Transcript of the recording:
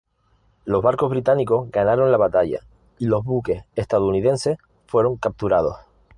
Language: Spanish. Los barcos británicos ganaron la batalla, y los buques estadounidenses fueron capturados.